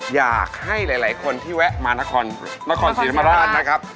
อยากให้หลายคนที่แวะมานาคอร์นนาคอร์นศรีธรรมราชนะครับ